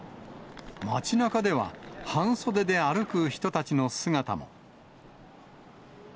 街なかでは、半袖で歩く人たちの姿も。